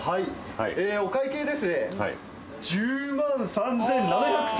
お会計ですね。